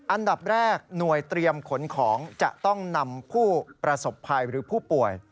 อันดับแรกหน่วยเตรียมขนของจะต้องนำผู้ประสบภัยหรือผู้ป่วย